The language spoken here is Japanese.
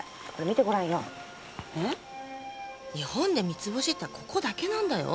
日本で三ツ星ってここだけなんだよ。